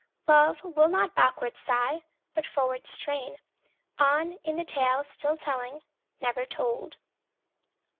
Love will not backward sigh, but forward strain, On in the tale still telling, never told.